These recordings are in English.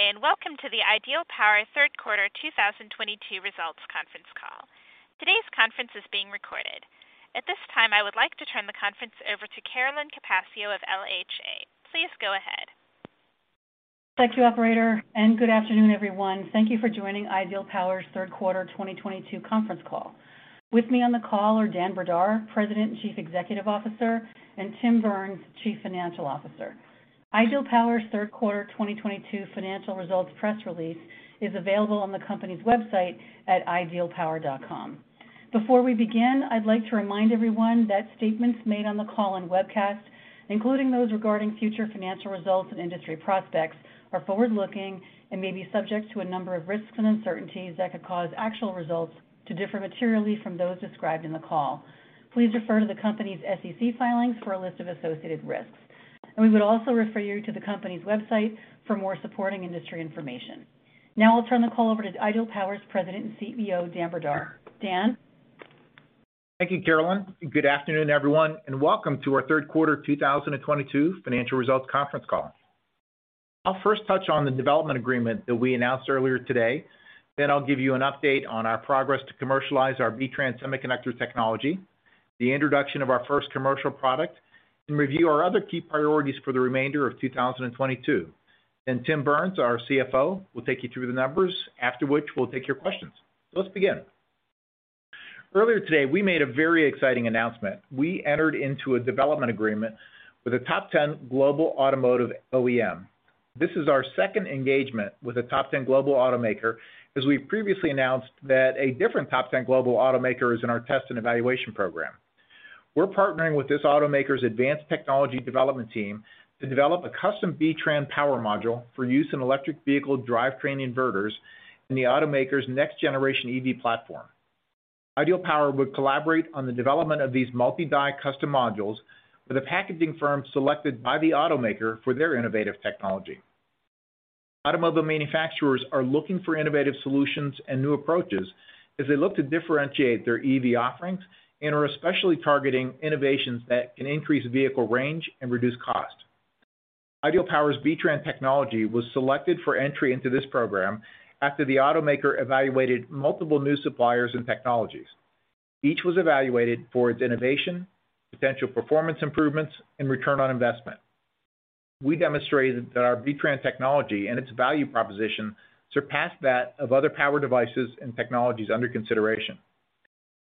Good day, and welcome to the Ideal Power Third Quarter 2022 Results Conference Call. Today's conference is being recorded. At this time, I would like to turn the conference over to Carolyn Capaccio of LHA. Please go ahead. Thank you, operator, and good afternoon, everyone. Thank you for joining Ideal Power's third quarter 2022 conference call. With me on the call are Dan Brdar, President and Chief Executive Officer, and Tim Burns, Chief Financial Officer. Ideal Power's third quarter 2022 financial results press release is available on the company's website at idealpower.com. Before we begin, I'd like to remind everyone that statements made on the call and webcast, including those regarding future financial results and industry prospects, are forward-looking and may be subject to a number of risks and uncertainties that could cause actual results to differ materially from those described in the call. Please refer to the company's SEC filings for a list of associated risks. We would also refer you to the company's website for more supporting industry information. Now I'll turn the call over to Ideal Power's President and CEO, Dan Brdar. Dan? Thank you, Carolyn, and good afternoon, everyone, and welcome to our third quarter 2022 financial results conference call. I'll first touch on the development agreement that we announced earlier today, then I'll give you an update on our progress to commercialize our B-TRAN semiconductor technology, the introduction of our first commercial product, and review our other key priorities for the remainder of 2022. Then Tim Burns, our CFO, will take you through the numbers, after which we'll take your questions. Let's begin. Earlier today, we made a very exciting announcement. We entered into a development agreement with a top ten global automotive OEM. This is our second engagement with a top ten global automaker, as we've previously announced that a different top ten global automaker is in our test and evaluation program. We're partnering with this automaker's advanced technology development team to develop a custom B-TRAN power module for use in electric vehicle drivetrain inverters in the automaker's next generation EV platform. Ideal Power would collaborate on the development of these multi-die custom modules with a packaging firm selected by the automaker for their innovative technology. Automobile manufacturers are looking for innovative solutions and new approaches as they look to differentiate their EV offerings and are especially targeting innovations that can increase vehicle range and reduce cost. Ideal Power's B-TRAN technology was selected for entry into this program after the automaker evaluated multiple new suppliers and technologies. Each was evaluated for its innovation, potential performance improvements, and return on investment. We demonstrated that our B-TRAN technology and its value proposition surpassed that of other power devices and technologies under consideration.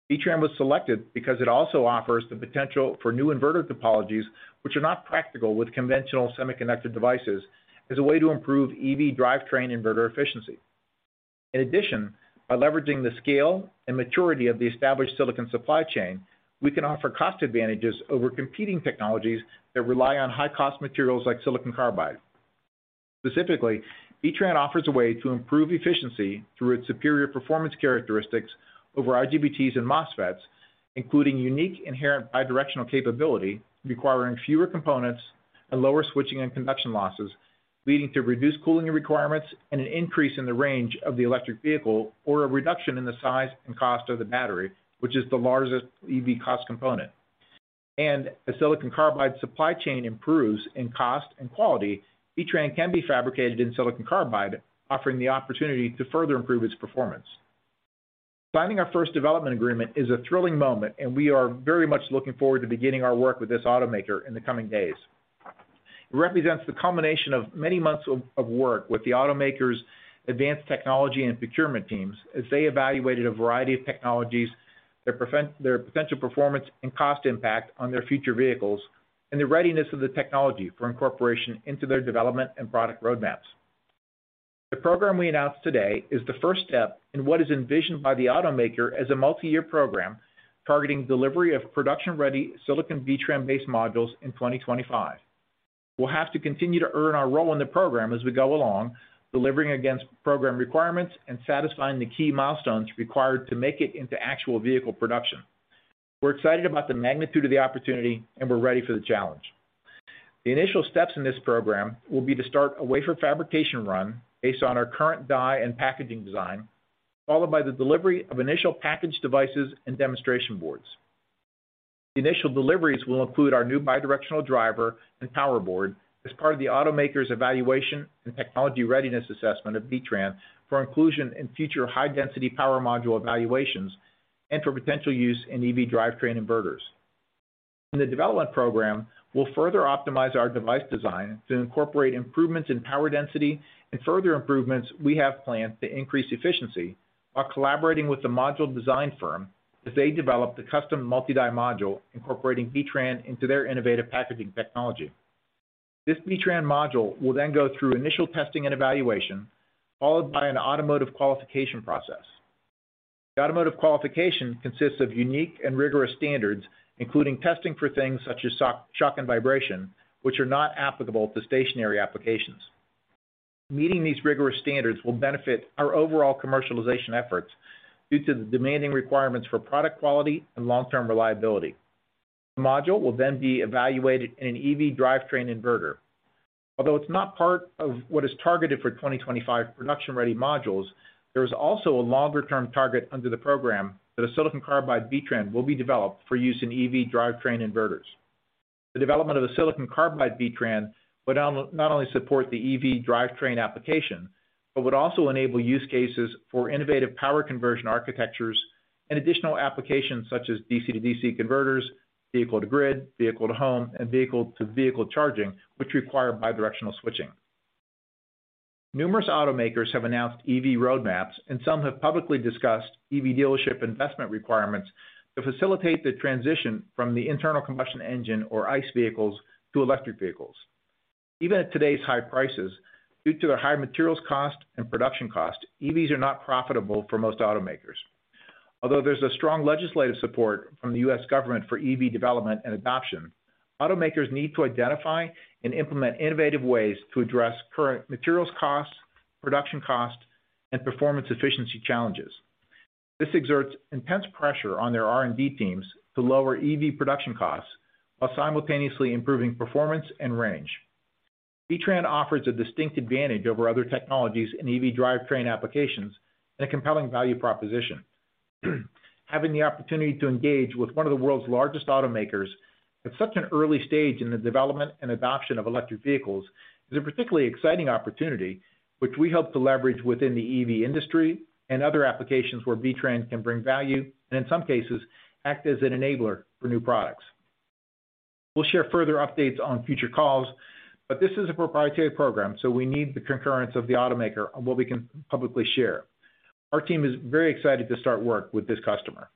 B-TRAN was selected because it also offers the potential for new inverter topologies, which are not practical with conventional semiconductor devices, as a way to improve EV drivetrain inverter efficiency. In addition, by leveraging the scale and maturity of the established silicon supply chain, we can offer cost advantages over competing technologies that rely on high-cost materials like silicon carbide. Specifically, B-TRAN offers a way to improve efficiency through its superior performance characteristics over IGBTs and MOSFETs, including unique inherent bidirectional capability, requiring fewer components and lower switching and conduction losses, leading to reduced cooling requirements and an increase in the range of the electric vehicle or a reduction in the size and cost of the battery, which is the largest EV cost component. As silicon carbide supply chain improves in cost and quality, B-TRAN can be fabricated in silicon carbide, offering the opportunity to further improve its performance. Signing our first development agreement is a thrilling moment, and we are very much looking forward to beginning our work with this automaker in the coming days. It represents the culmination of many months of work with the automaker's advanced technology and procurement teams as they evaluated a variety of technologies, their potential performance and cost impact on their future vehicles, and the readiness of the technology for incorporation into their development and product roadmaps. The program we announced today is the first step in what is envisioned by the automaker as a multi-year program targeting delivery of production-ready silicon B-TRAN-based modules in 2025. We'll have to continue to earn our role in the program as we go along, delivering against program requirements and satisfying the key milestones required to make it into actual vehicle production. We're excited about the magnitude of the opportunity, and we're ready for the challenge. The initial steps in this program will be to start a wafer fabrication run based on our current die and packaging design, followed by the delivery of initial package devices and demonstration boards. The initial deliveries will include our new bidirectional driver and power board as part of the automaker's evaluation and technology readiness assessment of B-TRAN for inclusion in future high-density power module evaluations and for potential use in EV drivetrain inverters. In the development program, we'll further optimize our device design to incorporate improvements in power density and further improvements we have planned to increase efficiency while collaborating with the module design firm as they develop the custom multi-die module incorporating B-TRAN into their innovative packaging technology. This B-TRAN module will then go through initial testing and evaluation, followed by an automotive qualification process. The automotive qualification consists of unique and rigorous standards, including testing for things such as shock and vibration, which are not applicable to stationary applications. Meeting these rigorous standards will benefit our overall commercialization efforts due to the demanding requirements for product quality and long-term reliability. The module will then be evaluated in an EV drivetrain inverter. Although it's not part of what is targeted for 2025 production-ready modules, there is also a longer-term target under the program that a silicon carbide B-TRAN will be developed for use in EV drivetrain inverters. The development of a silicon carbide B-TRAN would not only support the EV drivetrain application, but would also enable use cases for innovative power conversion architectures and additional applications such as DC-to-DC converters, vehicle-to-grid, vehicle-to-home, and vehicle-to-vehicle charging, which require bidirectional switching. Numerous automakers have announced EV roadmaps, and some have publicly discussed EV dealership investment requirements to facilitate the transition from the internal combustion engine or ICE vehicles to electric vehicles. Even at today's high prices, due to a high materials cost and production cost, EVs are not profitable for most automakers. Although there's a strong legislative support from the U.S. government for EV development and adoption, automakers need to identify and implement innovative ways to address current materials costs, production costs, and performance efficiency challenges. This exerts intense pressure on their R&D teams to lower EV production costs while simultaneously improving performance and range. B-TRAN offers a distinct advantage over other technologies in EV drivetrain applications and a compelling value proposition. Having the opportunity to engage with one of the world's largest automakers at such an early stage in the development and adoption of electric vehicles is a particularly exciting opportunity which we hope to leverage within the EV industry and other applications where B-TRAN can bring value, and in some cases, act as an enabler for new products. We'll share further updates on future calls, but this is a proprietary program, so we need the concurrence of the automaker on what we can publicly share. Our team is very excited to start work with this customer.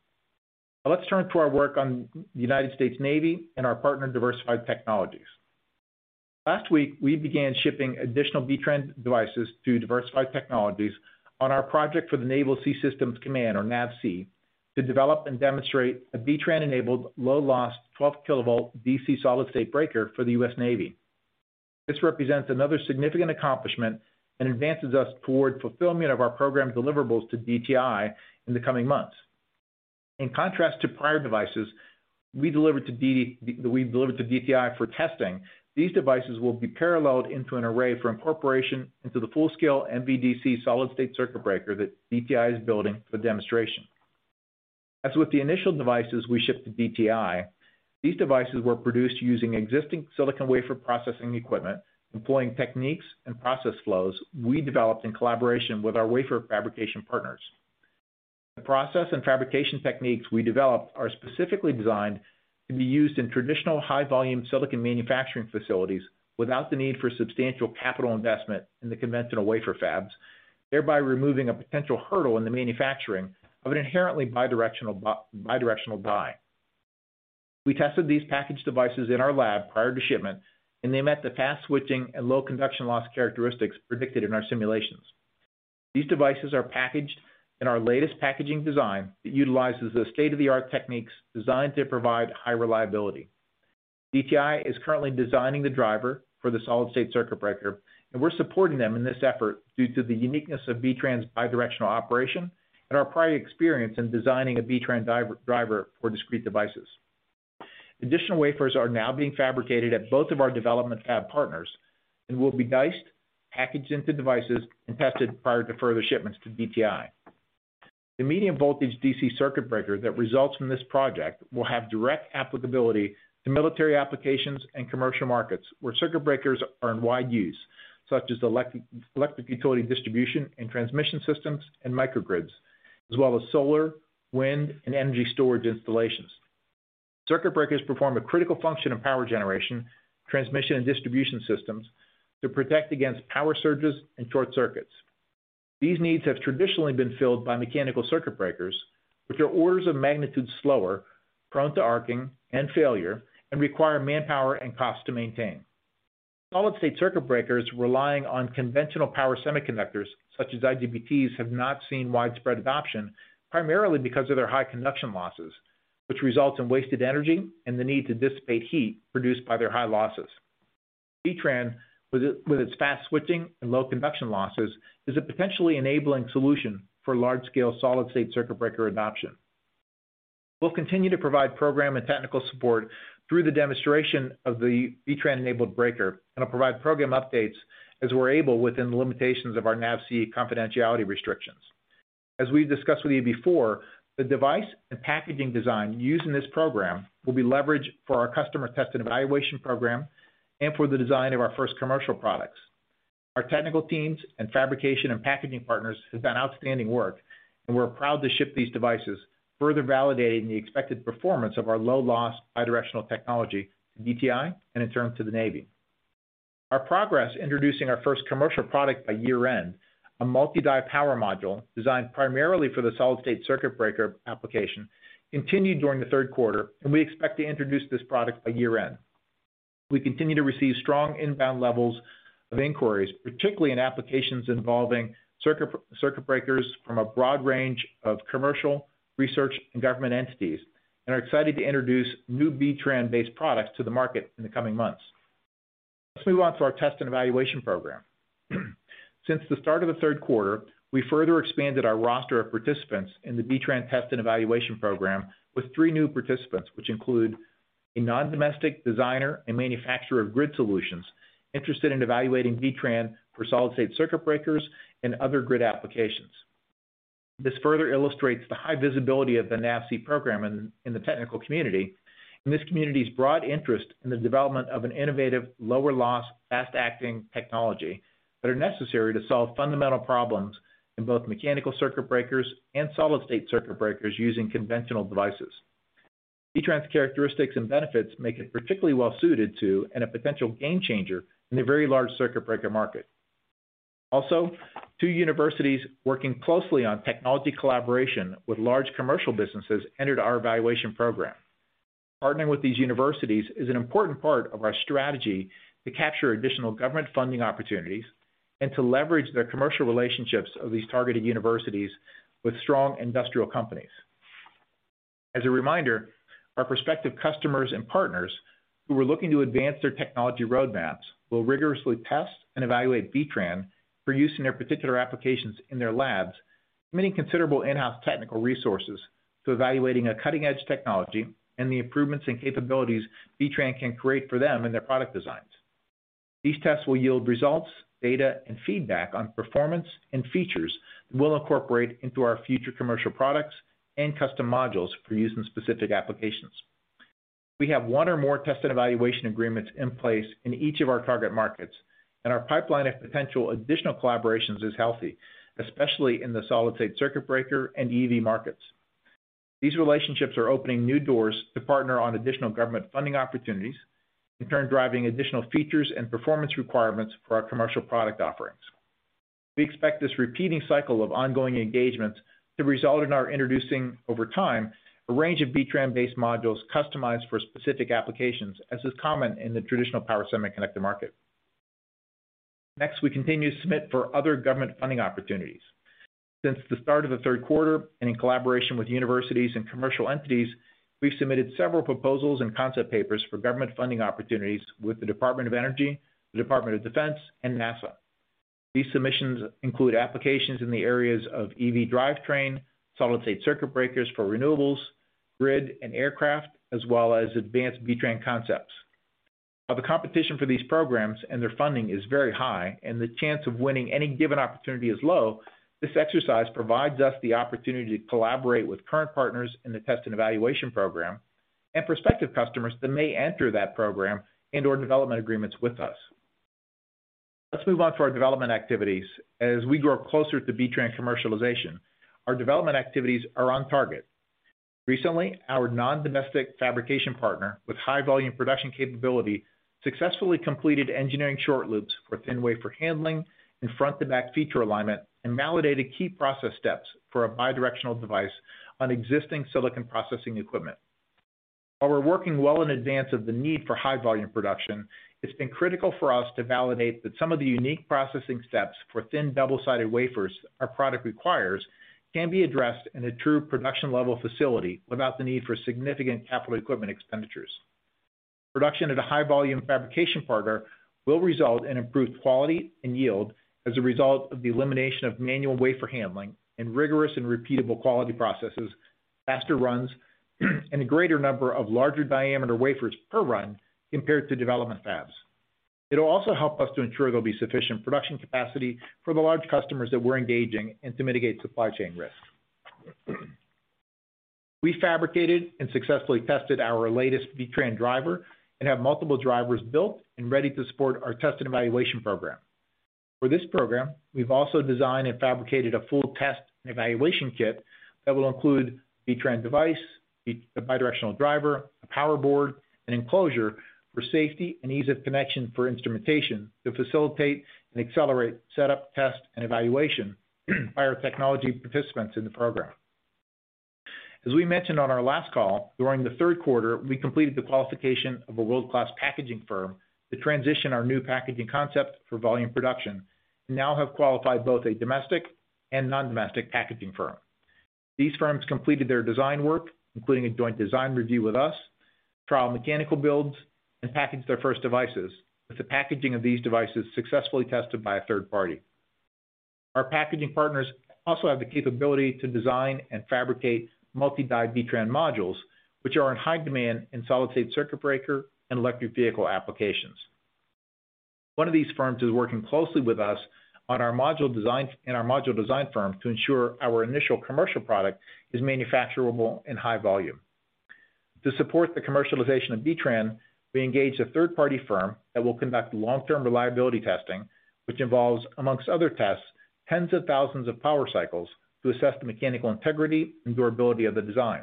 Now let's turn to our work on the United States Navy and our partner, Diversified Technologies. Last week, we began shipping additional B-TRAN devices to Diversified Technologies on our project for the Naval Sea Systems Command, or NAVSEA, to develop and demonstrate a B-TRAN enabled low-loss 12-kilovolt DC solid-state breaker for the U.S. Navy. This represents another significant accomplishment and advances us toward fulfillment of our program deliverables to DTI in the coming months. In contrast to prior devices we delivered to DTI for testing, these devices will be paralleled into an array for incorporation into the full-scale MVDC solid-state circuit breaker that DTI is building for demonstration. As with the initial devices we ship to DTI, these devices were produced using existing silicon wafer processing equipment, employing techniques and process flows we developed in collaboration with our wafer fabrication partners. The process and fabrication techniques we developed are specifically designed to be used in traditional high-volume silicon manufacturing facilities without the need for substantial capital investment in the conventional wafer fabs, thereby removing a potential hurdle in the manufacturing of an inherently bidirectional die. We tested these packaged devices in our lab prior to shipment, and they met the fast switching and low conduction loss characteristics predicted in our simulations. These devices are packaged in our latest packaging design that utilizes the state-of-the-art techniques designed to provide high reliability. DTI is currently designing the driver for the solid-state circuit breaker, and we're supporting them in this effort due to the uniqueness of B-TRAN's bidirectional operation and our prior experience in designing a B-TRAN driver for discrete devices. Additional wafers are now being fabricated at both of our development fab partners and will be diced, packaged into devices, and tested prior to further shipments to DTI. The medium voltage DC circuit breaker that results from this project will have direct applicability to military applications and commercial markets where circuit breakers are in wide use, such as electric utility distribution and transmission systems and microgrids, as well as solar, wind, and energy storage installations. Circuit breakers perform a critical function in power generation, transmission, and distribution systems to protect against power surges and short circuits. These needs have traditionally been filled by mechanical circuit breakers, which are orders of magnitude slower, prone to arcing and failure, and require manpower and cost to maintain. Solid-state circuit breakers relying on conventional power semiconductors such as IGBTs, have not seen widespread adoption, primarily because of their high conduction losses, which results in wasted energy and the need to dissipate heat produced by their high losses. B-TRAN with its fast switching and low conduction losses is a potentially enabling solution for large-scale solid-state circuit breaker adoption. We'll continue to provide program and technical support through the demonstration of the B-TRAN enabled breaker, and provide program updates as we're able within the limitations of our NAVSEA confidentiality restrictions. As we've discussed with you before, the device and packaging design used in this program will be leveraged for our customer test and evaluation program and for the design of our first commercial products. Our technical teams and fabrication and packaging partners have done outstanding work, and we're proud to ship these devices, further validating the expected performance of our low loss bidirectional technology to DTI and in turn, to the Navy. Our progress introducing our first commercial product by year end, a multi-die power module designed primarily for the solid-state circuit breaker application, continued during the third quarter, and we expect to introduce this product by year end. We continue to receive strong inbound levels of inquiries, particularly in applications involving circuit breakers from a broad range of commercial, research, and government entities, and are excited to introduce new B-TRAN-based products to the market in the coming months. Let's move on to our test and evaluation program. Since the start of the third quarter, we further expanded our roster of participants in the B-TRAN test and evaluation program with three new participants, which include a non-domestic designer and manufacturer of grid solutions interested in evaluating B-TRAN for solid-state circuit breakers and other grid applications. This further illustrates the high visibility of the NAVSEA program in the technical community, and this community's broad interest in the development of an innovative, lower loss, fast-acting technology that are necessary to solve fundamental problems in both mechanical circuit breakers and solid-state circuit breakers using conventional devices. B-TRAN's characteristics and benefits make it particularly well-suited to, and a potential game changer in the very large circuit breaker market. Also, two universities working closely on technology collaboration with large commercial businesses entered our evaluation program. Partnering with these universities is an important part of our strategy to capture additional government funding opportunities and to leverage the commercial relationships of these targeted universities with strong industrial companies. As a reminder, our prospective customers and partners who are looking to advance their technology roadmaps will rigorously test and evaluate B-TRAN for use in their particular applications in their labs, committing considerable in-house technical resources to evaluating a cutting-edge technology and the improvements and capabilities B-TRAN can create for them in their product designs. These tests will yield results, data, and feedback on performance and features that we'll incorporate into our future commercial products and custom modules for use in specific applications. We have one or more test and evaluation agreements in place in each of our target markets, and our pipeline of potential additional collaborations is healthy, especially in the solid-state circuit breaker and EV markets. These relationships are opening new doors to partner on additional government funding opportunities, in turn driving additional features and performance requirements for our commercial product offerings. We expect this repeating cycle of ongoing engagements to result in our introducing over time a range of B-TRAN-based modules customized for specific applications, as is common in the traditional power semiconductor market. Next, we continue to submit for other government funding opportunities. Since the start of the third quarter, and in collaboration with universities and commercial entities, we've submitted several proposals and concept papers for government funding opportunities with the Department of Energy, the Department of Defense, and NASA. These submissions include applications in the areas of EV drivetrain, solid-state circuit breakers for renewables, grid and aircraft, as well as advanced B-TRAN concepts. While the competition for these programs and their funding is very high and the chance of winning any given opportunity is low, this exercise provides us the opportunity to collaborate with current partners in the test and evaluation program and prospective customers that may enter that program into our development agreements with us. Let's move on to our development activities. As we grow closer to B-TRAN commercialization, our development activities are on target. Recently, our non-domestic fabrication partner with high volume production capability successfully completed engineering short loops for thin wafer handling and front to back feature alignment and validated key process steps for a bidirectional device on existing silicon processing equipment. While we're working well in advance of the need for high volume production, it's been critical for us to validate that some of the unique processing steps for thin double-sided wafers our product requires can be addressed in a true production level facility without the need for significant capital equipment expenditures. Production at a high volume fabrication partner will result in improved quality and yield as a result of the elimination of manual wafer handling and rigorous and repeatable quality processes, faster runs, and a greater number of larger diameter wafers per run compared to development fabs. It'll also help us to ensure there'll be sufficient production capacity for the large customers that we're engaging and to mitigate supply chain risk. We fabricated and successfully tested our latest B-TRAN driver and have multiple drivers built and ready to support our test and evaluation program. For this program, we've also designed and fabricated a full test and evaluation kit that will include B-TRAN device, the bidirectional driver, a power board, and enclosure for safety and ease of connection for instrumentation to facilitate and accelerate setup, test, and evaluation by our technology participants in the program. As we mentioned on our last call, during the third quarter, we completed the qualification of a world-class packaging firm to transition our new packaging concept for volume production and now have qualified both a domestic and non-domestic packaging firm. These firms completed their design work, including a joint design review with us, trial mechanical builds, and packaged their first devices, with the packaging of these devices successfully tested by a third party. Our packaging partners also have the capability to design and fabricate multi-die B-TRAN modules, which are in high demand in solid-state circuit breaker and electric vehicle applications. One of these firms is working closely with us on our module design, our module design firm, to ensure our initial commercial product is manufacturable in high volume. To support the commercialization of B-TRAN, we engaged a third-party firm that will conduct long-term reliability testing, which involves, among other tests, tens of thousands of power cycles to assess the mechanical integrity and durability of the design.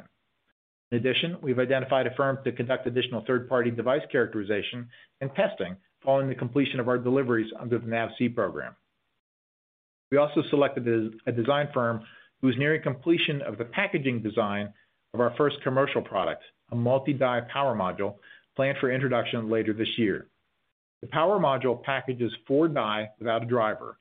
In addition, we've identified a firm to conduct additional third-party device characterization and testing following the completion of our deliveries under the NAVSEA program. We also selected a design firm who's nearing completion of the packaging design of our first commercial product, a multi-die power module planned for introduction later this year. The power module packages four die without a driver.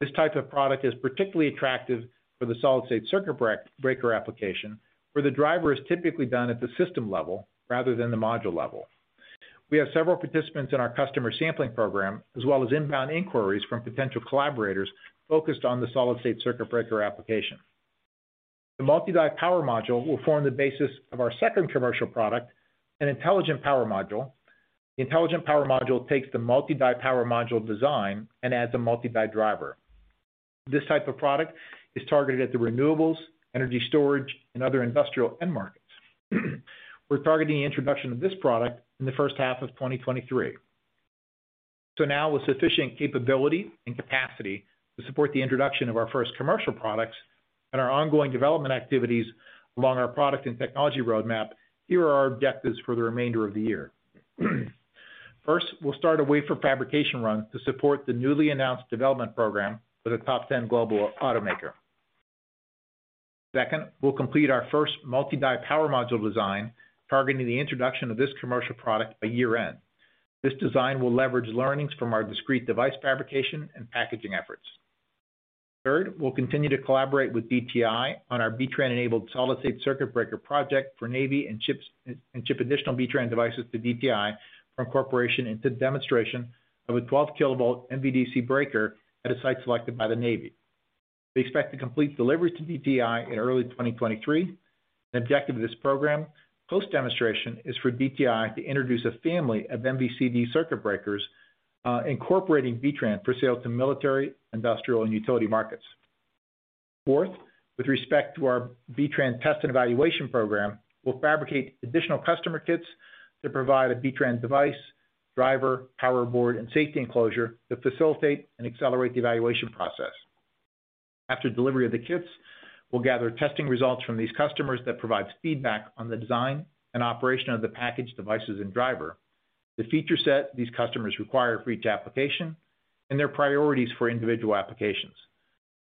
This type of product is particularly attractive for the solid-state circuit breaker application, where the driver is typically done at the system level rather than the module level. We have several participants in our customer sampling program, as well as inbound inquiries from potential collaborators focused on the solid-state circuit breaker application. The multi-die power module will form the basis of our second commercial product, an intelligent power module. The intelligent power module takes the multi-die power module design and adds a multi-die driver. This type of product is targeted at the renewables, energy storage, and other industrial end markets. We're targeting the introduction of this product in the first half of 2023. Now with sufficient capability and capacity to support the introduction of our first commercial products and our ongoing development activities along our product and technology roadmap, here are our objectives for the remainder of the year. First, we'll start a wafer fabrication run to support the newly announced development program for the top 10 global automaker. Second, we'll complete our first multi-die power module design, targeting the introduction of this commercial product by year-end. This design will leverage learnings from our discrete device fabrication and packaging efforts. Third, we'll continue to collaborate with DTI on our B-TRAN enabled solid-state circuit breaker project for the Navy and ship additional B-TRAN devices to DTI for incorporation into demonstration of a 12-kilovolt MVDC breaker at a site selected by the Navy. We expect to complete delivery to DTI in early 2023. The objective of this program, post demonstration, is for DTI to introduce a family of MVDC circuit breakers incorporating B-TRAN for sale to military, industrial, and utility markets. Fourth, with respect to our B-TRAN test and evaluation program, we'll fabricate additional customer kits to provide a B-TRAN device, driver, power board, and safety enclosure to facilitate and accelerate the evaluation process. After delivery of the kits, we'll gather testing results from these customers that provides feedback on the design and operation of the packaged devices and driver, the feature set these customers require for each application, and their priorities for individual applications.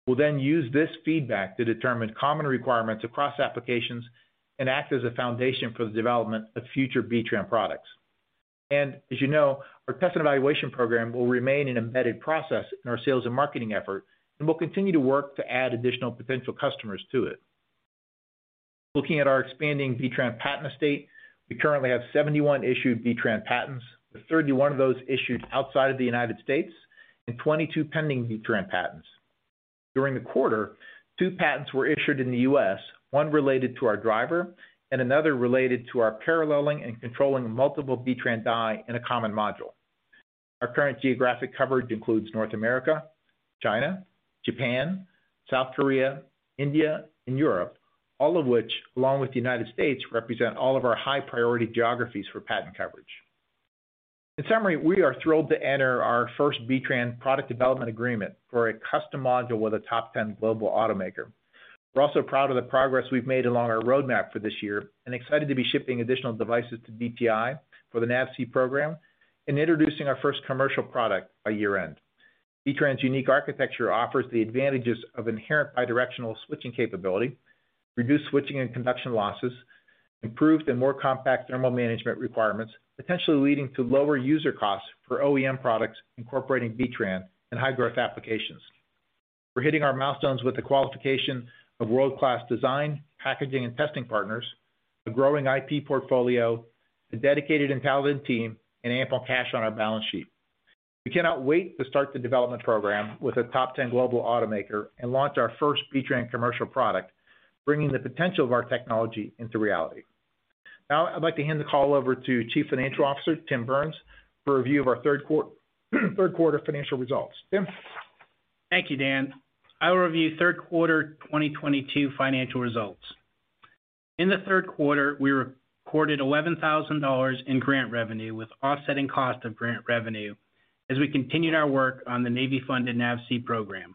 We'll then use this feedback to determine common requirements across applications and act as a foundation for the development of future B-TRAN products. As you know, our test and evaluation program will remain an embedded process in our sales and marketing effort, and we'll continue to work to add additional potential customers to it. Looking at our expanding B-TRAN patent estate, we currently have 71 issued B-TRAN patents, with 31 of those issued outside of the United States, and 22 pending B-TRAN patents. During the quarter, 2 patents were issued in the U.S., one related to our driver and another related to our paralleling and controlling multiple B-TRAN die in a common module. Our current geographic coverage includes North America, China, Japan, South Korea, India, and Europe, all of which, along with the United States, represent all of our high-priority geographies for patent coverage. In summary, we are thrilled to enter our first B-TRAN product development agreement for a custom module with a top 10 global automaker. We're also proud of the progress we've made along our roadmap for this year and excited to be shipping additional devices to DTI for the NAVSEA program and introducing our first commercial product by year-end. B-TRAN's unique architecture offers the advantages of inherent bidirectional switching capability, reduced switching and conduction losses, improved and more compact thermal management requirements, potentially leading to lower user costs for OEM products incorporating B-TRAN in high-growth applications. We're hitting our milestones with the qualification of world-class design, packaging, and testing partners, a growing IP portfolio, a dedicated and talented team, and ample cash on our balance sheet. We cannot wait to start the development program with a top ten global automaker and launch our first B-TRAN commercial product, bringing the potential of our technology into reality. Now I'd like to hand the call over to Chief Financial Officer Tim Burns for a review of our third quarter financial results. Tim? Thank you, Dan. I will review third quarter 2022 financial results. In the third quarter, we recorded $11,000 in grant revenue with offsetting cost of grant revenue as we continued our work on the Navy-funded NAVSEA program.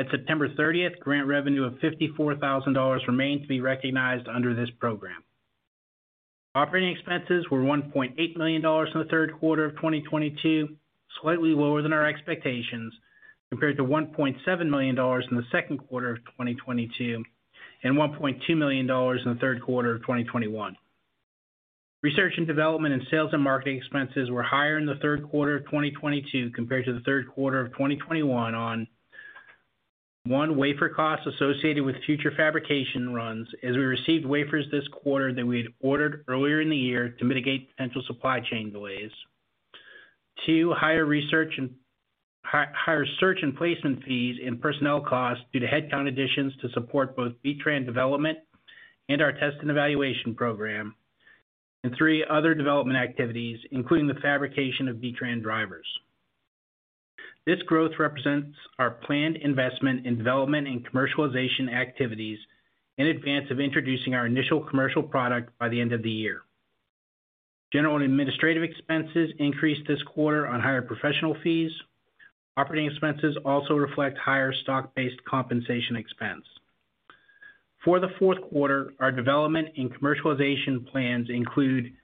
At September 30, grant revenue of $54,000 remained to be recognized under this program. Operating expenses were $1.8 million in the third quarter of 2022, slightly lower than our expectations, compared to $1.7 million in the second quarter of 2022 and $1.2 million in the third quarter of 2021. Research and development and sales and marketing expenses were higher in the third quarter of 2022 compared to the third quarter of 2021 due to 1, wafer costs associated with future fabrication runs, as we received wafers this quarter that we had ordered earlier in the year to mitigate potential supply chain delays. 2, higher search and placement fees and personnel costs due to headcount additions to support both B-TRAN development and our test and evaluation program. 3, other development activities, including the fabrication of B-TRAN drivers. This growth represents our planned investment in development and commercialization activities in advance of introducing our initial commercial product by the end of the year. General and administrative expenses increased this quarter due to higher professional fees. Operating expenses also reflect higher stock-based compensation expense. For the fourth quarter, our development and commercialization plans include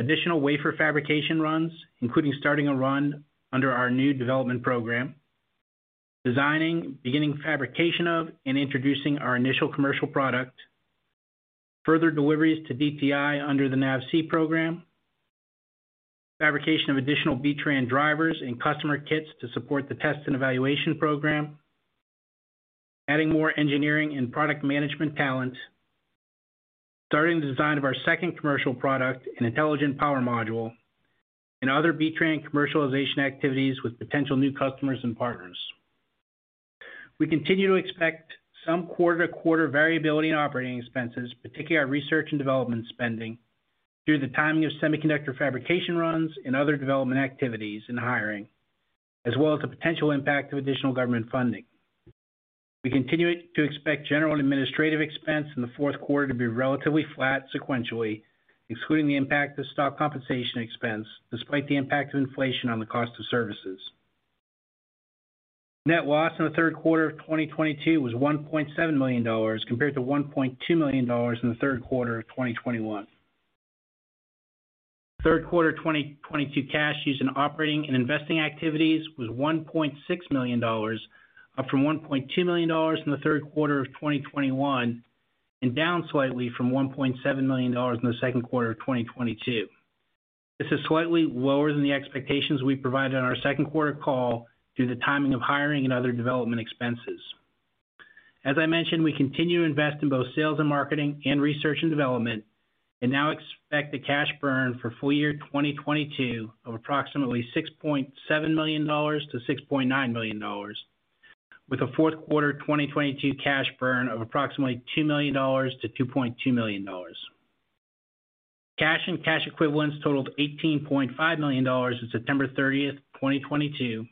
additional wafer fabrication runs, including starting a run under our new development program. Designing, beginning fabrication of, and introducing our initial commercial product. Further deliveries to DTI under the NAVSEA program. Fabrication of additional B-TRAN drivers and customer kits to support the test and evaluation program. Adding more engineering and product management talent. Starting the design of our second commercial product, an intelligent power module. Other B-TRAN commercialization activities with potential new customers and partners. We continue to expect some quarter-to-quarter variability in operating expenses, particularly our research and development spending, due to the timing of semiconductor fabrication runs and other development activities and hiring, as well as the potential impact of additional government funding. We continue to expect general administrative expense in the fourth quarter to be relatively flat sequentially, excluding the impact of stock compensation expense, despite the impact of inflation on the cost of services. Net loss in the third quarter of 2022 was $1.7 million compared to $1.2 million in the third quarter of 2021. Third quarter of 2022 cash used in operating and investing activities was $1.6 million, up from $1.2 million in the third quarter of 2021, and down slightly from $1.7 million in the second quarter of 2022. This is slightly lower than the expectations we provided on our second quarter call due to the timing of hiring and other development expenses. As I mentioned, we continue to invest in both sales and marketing and research and development, and now expect a cash burn for full year 2022 of approximately $6.7 million-$6.9 million, with a fourth quarter of 2022 cash burn of approximately $2 million-$2.2 million. Cash and cash equivalents totaled $18.5 million as of September 30, 2022.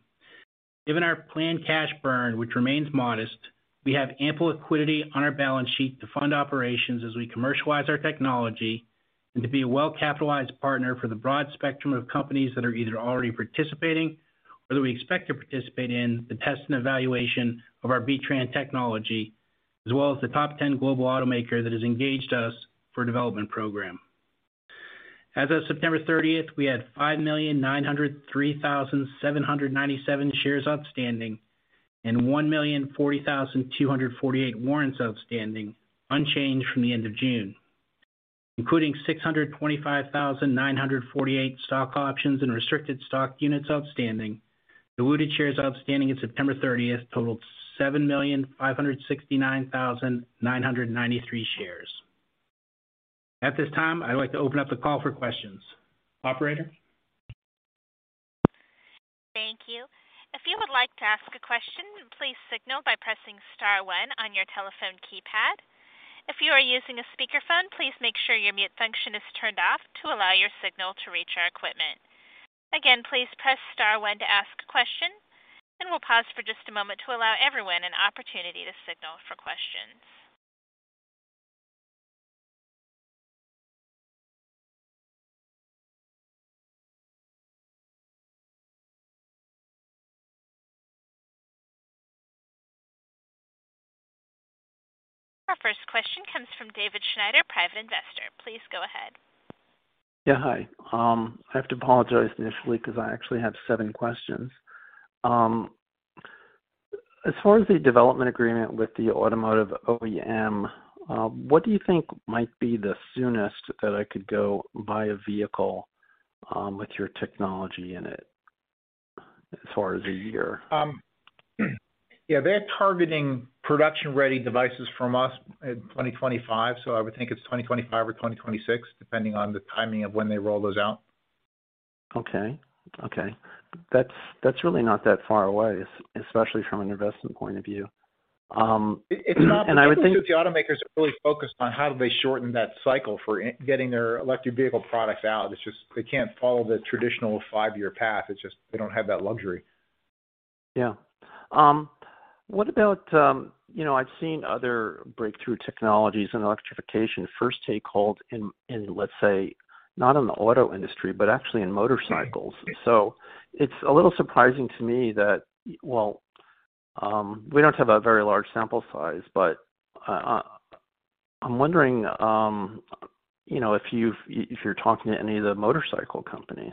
Given our planned cash burn, which remains modest, we have ample liquidity on our balance sheet to fund operations as we commercialize our technology and to be a well-capitalized partner for the broad spectrum of companies that are either already participating or that we expect to participate in the test and evaluation of our B-TRAN technology, as well as the top ten global automaker that has engaged us for a development program. As of September thirtieth, we had 5,903,797 shares outstanding and 1,040,248 warrants outstanding, unchanged from the end of June. Including 625,948 stock options and restricted stock units outstanding, diluted shares outstanding at September thirtieth totaled 7,569,993 shares. At this time, I'd like to open up the call for questions. Operator? Thank you. If you would like to ask a question, please signal by pressing star one on your telephone keypad. If you are using a speakerphone, please make sure your mute function is turned off to allow your signal to reach our equipment. Again, please press star one to ask a question, and we'll pause for just a moment to allow everyone an opportunity to signal for questions. Our first question comes from David Schneider, Private Investor. Please go ahead. Yeah. Hi. I have to apologize initially 'cause I actually have seven questions. As far as the development agreement with the automotive OEM, what do you think might be the soonest that I could go buy a vehicle with your technology in it as far as a year? They're targeting production-ready devices from us in 2025, so I would think it's 2025 or 2026, depending on the timing of when they roll those out. Okay. That's really not that far away, especially from an investment point of view. It, it's not- I would think. The issue is the automakers are really focused on how do they shorten that cycle for getting their electric vehicle products out. It's just they can't follow the traditional five-year path. It's just they don't have that luxury. What about, you know, I've seen other breakthrough technologies in electrification first take hold in, let's say, not in the auto industry, but actually in motorcycles. Right. It's a little surprising to me that, well, we don't have a very large sample size, but, I'm wondering, you know, if you're talking to any of the motorcycle companies.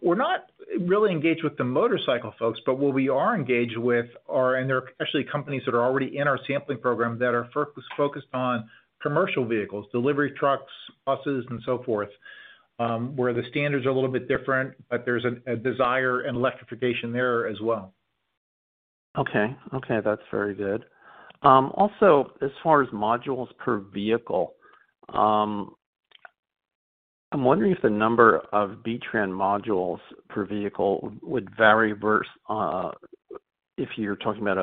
We're not really engaged with the motorcycle folks, but what we are engaged with are, and they're actually companies that are already in our sampling program that are focused on commercial vehicles, delivery trucks, buses, and so forth, where the standards are a little bit different, but there's a desire for electrification there as well. Okay. Okay, that's very good. Also, as far as modules per vehicle, I'm wondering if the number of B-TRAN modules per vehicle would vary versus if you're talking about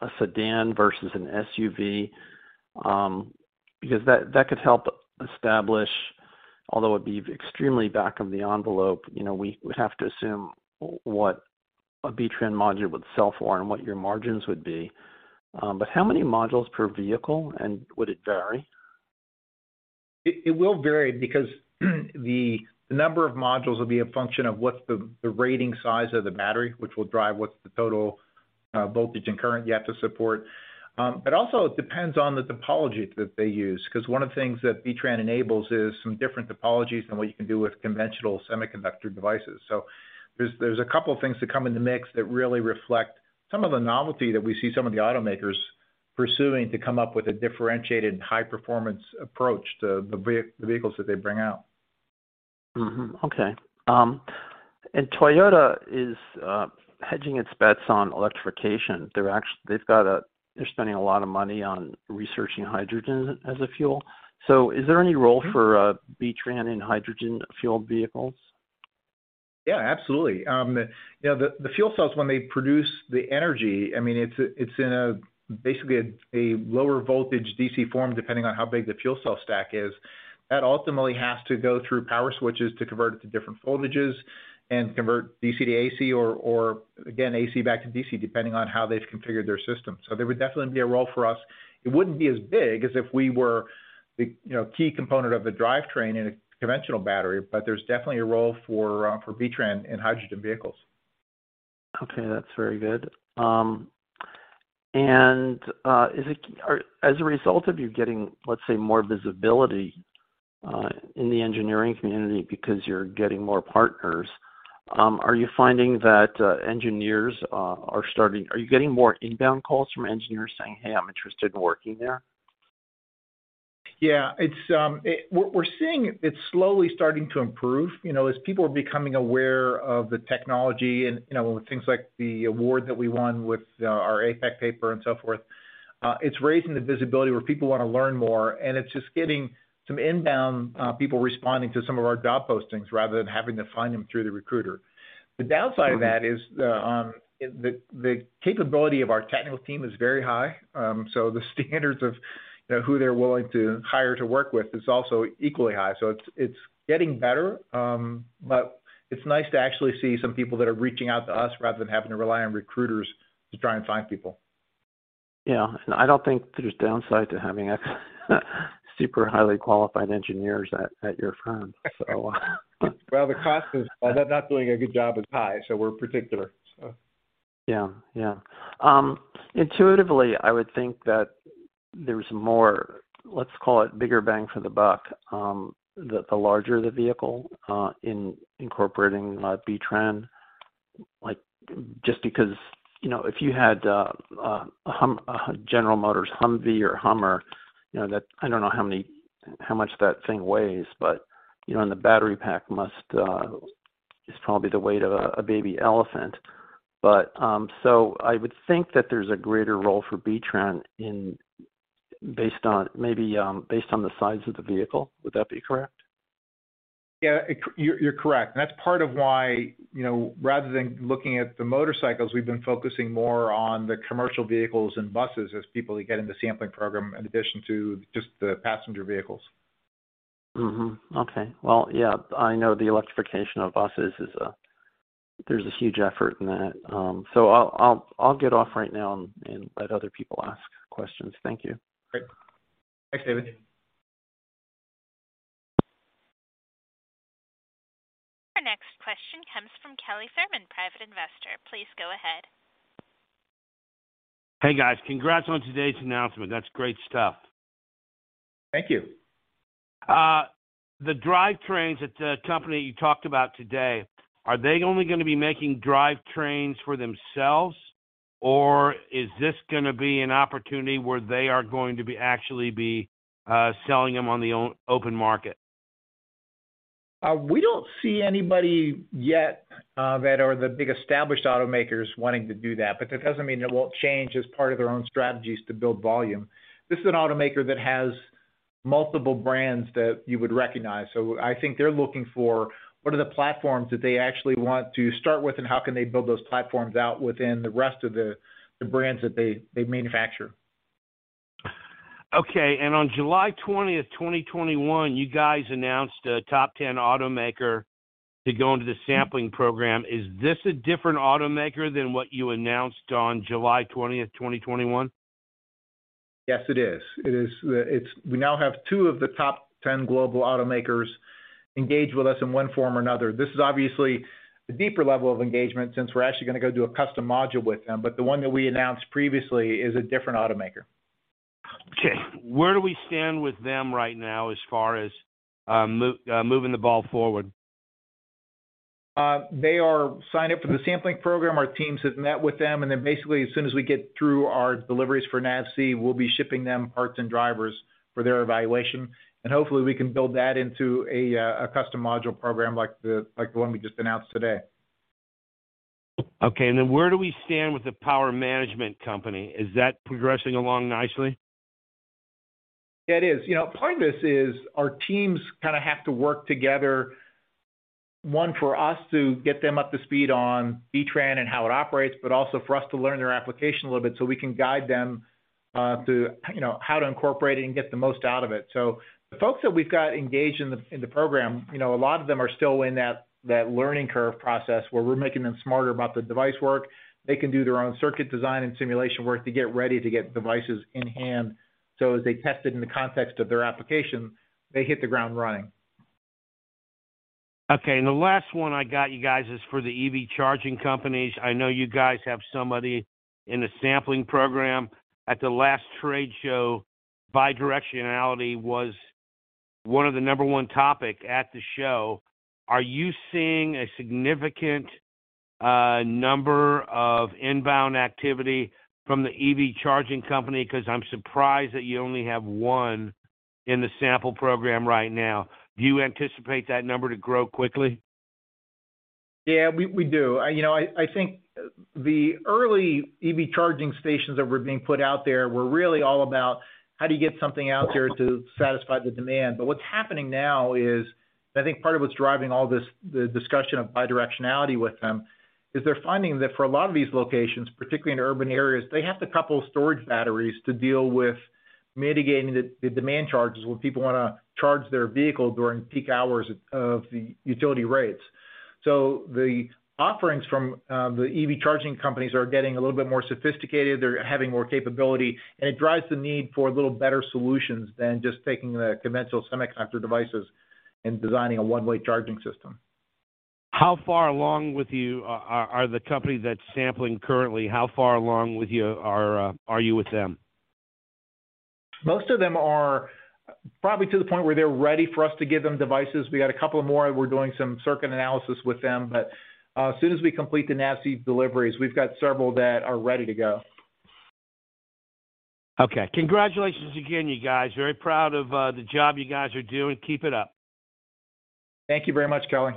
a sedan versus an SUV, because that could help establish, although it'd be extremely back-of-the-envelope, you know, we would have to assume what a B-TRAN module would sell for and what your margins would be. How many modules per vehicle, and would it vary? It will vary because the number of modules will be a function of what's the rating size of the battery, which will drive what's the total voltage and current you have to support. But also it depends on the topology that they use, 'cause one of the things that B-TRAN enables is some different topologies than what you can do with conventional semiconductor devices. So there's a couple things that come in the mix that really reflect some of the novelty that we see some of the automakers pursuing to come up with a differentiated high-performance approach to the vehicles that they bring out. Toyota is hedging its bets on electrification. They're spending a lot of money on researching hydrogen as a fuel. Is there any role for B-TRAN in hydrogen fueled vehicles? Yeah, absolutely. You know, the fuel cells when they produce the energy, I mean, it's in basically a lower voltage DC form, depending on how big the fuel cell stack is. That ultimately has to go through power switches to convert it to different voltages and convert DC to AC or again, AC back to DC, depending on how they've configured their system. There would definitely be a role for us. It wouldn't be as big as if we were the, you know, key component of the drivetrain in a conventional battery, but there's definitely a role for B-TRAN in hydrogen vehicles. Okay, that's very good. As a result of you getting, let's say, more visibility in the engineering community because you're getting more partners, are you getting more inbound calls from engineers saying, "Hey, I'm interested in working there? Yeah. It's we're seeing it's slowly starting to improve, you know, as people are becoming aware of the technology and, you know, with things like the award that we won with our APEC paper and so forth. It's raising the visibility where people wanna learn more, and it's just getting some inbound people responding to some of our job postings rather than having to find them through the recruiter. The downside of that is the capability of our technical team is very high. So the standards of, you know, who they're willing to hire to work with is also equally high. It's getting better, but it's nice to actually see some people that are reaching out to us rather than having to rely on recruiters to try and find people. Yeah. I don't think there's a downside to having super highly qualified engineers at your firm. So. Well, the cost of not doing a good job is high, so we're particular. Yeah. Yeah. Intuitively, I would think that there's more, let's call it bigger bang for the buck, the larger the vehicle in incorporating B-TRAN. Like, just because, you know, if you had a General Motors Humvee or Hummer, you know, that I don't know how much that thing weighs, but, you know, and the battery pack must be probably the weight of a baby elephant. I would think that there's a greater role for B-TRAN based on maybe the size of the vehicle. Would that be correct? Yeah, you're correct. That's part of why, you know, rather than looking at the motorcycles, we've been focusing more on the commercial vehicles and buses as people get in the sampling program in addition to just the passenger vehicles. Mm-hmm. Okay. Well, yeah, I know the electrification of buses. There's a huge effort in that. I'll get off right now and let other people ask questions. Thank you. Great. Thanks, David. Our next question comes from Kelly Thurman, Private Investor. Please go ahead. Hey, guys. Congrats on today's announcement. That's great stuff. Thank you. The drivetrains at the company you talked about today, are they only gonna be making drivetrains for themselves, or is this gonna be an opportunity where they are going to be actually selling them on the open market? We don't see anybody yet that are the big established automakers wanting to do that, but that doesn't mean it won't change as part of their own strategies to build volume. This is an automaker that has multiple brands that you would recognize. I think they're looking for what are the platforms that they actually want to start with and how can they build those platforms out within the rest of the brands that they manufacture. Okay. On July 20, 2021, you guys announced a top ten automaker to go into the sampling program. Is this a different automaker than what you announced on July 20, 2021? Yes, it is. We now have two of the top ten global automakers engaged with us in one form or another. This is obviously a deeper level of engagement since we're actually gonna go do a custom module with them. The one that we announced previously is a different automaker. Okay. Where do we stand with them right now as far as moving the ball forward? They are signed up for the sampling program. Our teams have met with them, and then basically, as soon as we get through our deliveries for NAVSEA, we'll be shipping them parts and drivers for their evaluation. Hopefully, we can build that into a custom module program like the one we just announced today. Okay. Where do we stand with the power management company? Is that progressing along nicely? It is. You know, part of this is our teams kinda have to work together, one, for us to get them up to speed on B-TRAN and how it operates, but also for us to learn their application a little bit so we can guide them through, you know, how to incorporate it and get the most out of it. The folks that we've got engaged in the program, you know, a lot of them are still in that learning curve process where we're making them smarter about the device work. They can do their own circuit design and simulation work to get ready to get devices in-hand. As they test it in the context of their application, they hit the ground running. Okay. The last one I got you guys is for the EV charging companies. I know you guys have somebody in the sampling program. At the last trade show, bidirectionality was one of the number one topic at the show. Are you seeing a significant number of inbound activity from the EV charging company? Because I'm surprised that you only have one in the sample program right now. Do you anticipate that number to grow quickly? Yeah, we do. You know, I think the early EV charging stations that were being put out there were really all about how do you get something out there to satisfy the demand. What's happening now is, and I think part of what's driving all this, the discussion of bidirectionality with them, is they're finding that for a lot of these locations, particularly in urban areas, they have to couple storage batteries to deal with mitigating the demand charges when people wanna charge their vehicle during peak hours of the utility rates. The offerings from the EV charging companies are getting a little bit more sophisticated. They're having more capability, and it drives the need for little better solutions than just taking the conventional semiconductor devices and designing a one-way charging system. How far along are you with the companies that are sampling currently? Most of them are probably to the point where they're ready for us to give them devices. We got a couple more. We're doing some circuit analysis with them, but as soon as we complete the NAVSEA deliveries, we've got several that are ready to go. Okay. Congratulations again, you guys. Very proud of the job you guys are doing. Keep it up. Thank you very much, Kelly.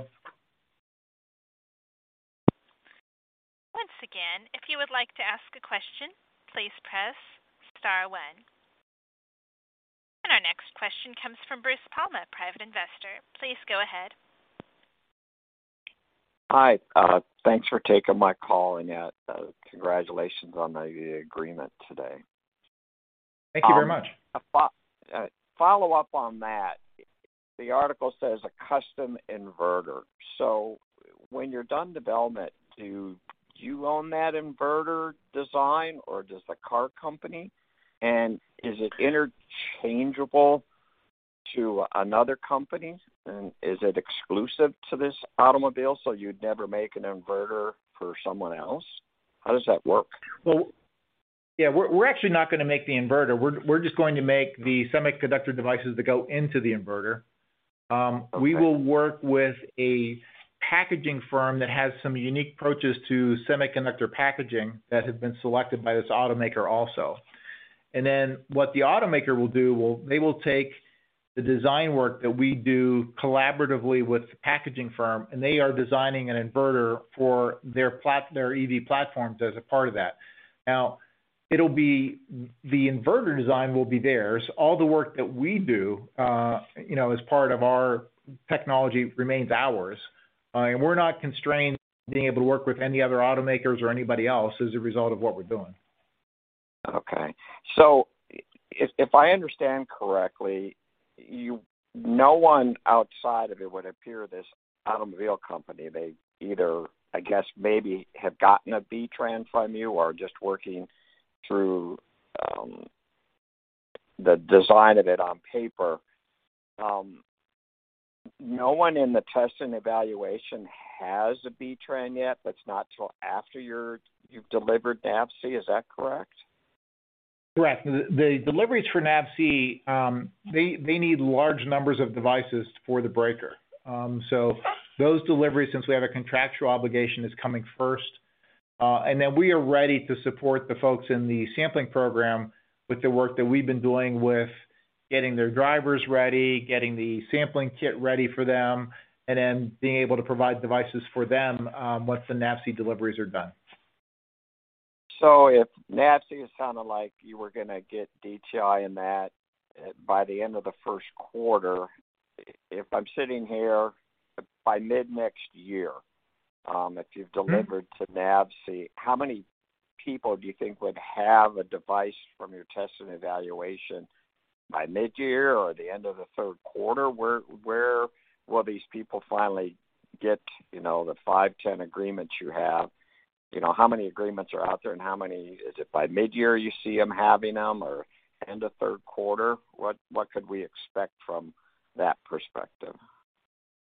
Once again, if you would like to ask a question, please press star one. Our next question comes from Bruce Palma, Private Investor. Please go ahead. Hi. Thanks for taking my call, and congratulations on the agreement today. Thank you very much. Follow up on that. The article says a custom inverter. When you're done development, do you own that inverter design or does the car company? And is it interchangeable to another company? And is it exclusive to this automobile, so you'd never make an inverter for someone else? How does that work? Well, yeah. We're actually not gonna make the inverter. We're just going to make the semiconductor devices that go into the inverter. Okay. We will work with a packaging firm that has some unique approaches to semiconductor packaging that has been selected by this automaker also. Then what the automaker will do, they will take the design work that we do collaboratively with the packaging firm, and they are designing an inverter for their EV platforms as a part of that. Now, it'll be. The inverter design will be theirs. All the work that we do, you know, as part of our technology remains ours. We're not constrained being able to work with any other automakers or anybody else as a result of what we're doing. If I understand correctly, no one outside of it would appear this automobile company. They either, I guess, maybe have gotten a B-TRAN from you or just working through the design of it on paper. No one in the test and evaluation has a B-TRAN yet. That's not till after you've delivered NAVSEA. Is that correct? Correct. The deliveries for NAVSEA. They need large numbers of devices for the breaker. Those deliveries, since we have a contractual obligation, is coming first. We are ready to support the folks in the sampling program with the work that we've been doing with getting their drivers ready, getting the sampling kit ready for them, and then being able to provide devices for them, once the NAVSEA deliveries are done. If NAVSEA, it sounds like you were gonna get DTI in that by the end of the first quarter, if I'm sitting here by mid-next year, if you've delivered. Mm-hmm. To NAVSEA, how many people do you think would have a device from your test and evaluation by mid-year or the end of the third quarter? Where will these people finally get, you know, the 5, 10 agreements you have? You know, how many agreements are out there, and how many? Is it by mid-year you see them having them or end of third quarter? What could we expect from that perspective?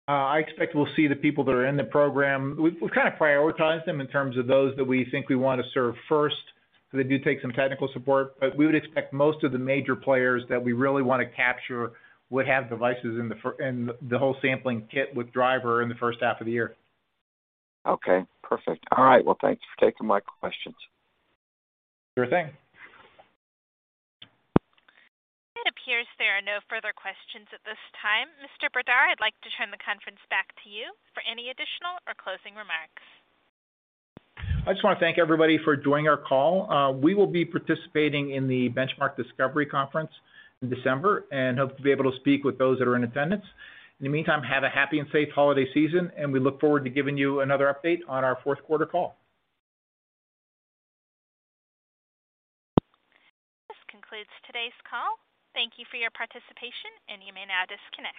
I expect we'll see the people that are in the program. We've kinda prioritized them in terms of those that we think we wanna serve first 'cause they do take some technical support. We would expect most of the major players that we really wanna capture would have devices in the whole sampling kit with driver in the first half of the year. Okay. Perfect. All right. Well, thanks for taking my questions. Sure thing. It appears there are no further questions at this time. Mr. Brdar, I'd like to turn the conference back to you for any additional or closing remarks. I just wanna thank everybody for joining our call. We will be participating in the Benchmark Discovery Conference in December and hope to be able to speak with those that are in attendance. In the meantime, have a happy and safe holiday season, and we look forward to giving you another update on our fourth quarter call. This concludes today's call. Thank you for your participation, and you may now disconnect.